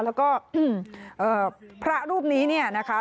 แล้วก็พระรูปนี้เนี่ยนะคะ